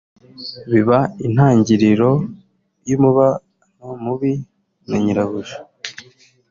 biba intangiriro y’umubano mubi na nyirabuja